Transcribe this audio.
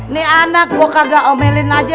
ini anak gue kagak omelin aja